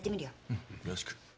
うんよろしく。